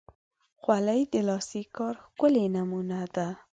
خولۍ د لاسي کار ښکلی نمونه ده.